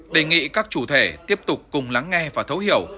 đề nghị các chủ thể tiếp tục cùng lắng nghe và thấu hiểu